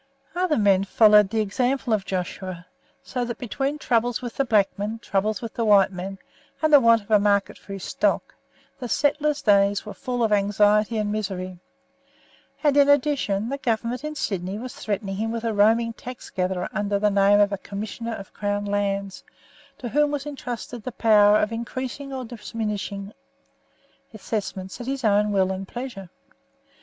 Other men followed the example of Joshua, so that between troubles with the black men, troubles with the white men, and the want of a market for his stock, the settler's days were full of anxiety and misery. And, in addition, the Government in Sydney was threatening him with a roaming taxgatherer under the name of a Commissioner of Crown Lands, to whom was entrusted the power of increasing or diminishing assessments at his own will and pleasure.